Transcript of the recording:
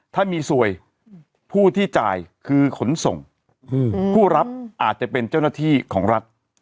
ถ้ามีสวยผู้ที่จ่ายคือขนส่งผู้รับอาจจะเป็นเจ้าหน้าที่ของรัฐ